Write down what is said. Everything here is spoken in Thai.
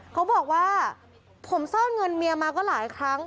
เขาบอกว่าผมซ่อนเงินเมียมาก็หลายครั้ง